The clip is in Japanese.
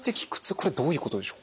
これどういうことでしょうか？